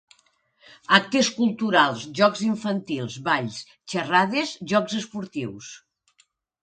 Actes culturals, jocs infantils, balls, xerrades, jocs esportius...